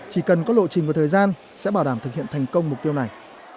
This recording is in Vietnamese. chỉ cần có lộ trình và thời gian sẽ bảo đảm thực hiện thành công mục tiêu này